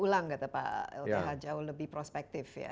daur ulang pak lth jauh lebih prospektif ya